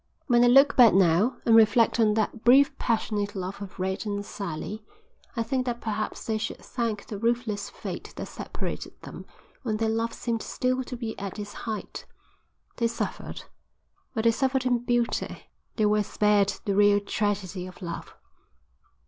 "When I look back now and reflect on that brief passionate love of Red and Sally, I think that perhaps they should thank the ruthless fate that separated them when their love seemed still to be at its height. They suffered, but they suffered in beauty. They were spared the real tragedy of love."